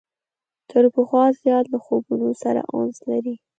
تر پخوا زیات له خوبونو سره انس لري.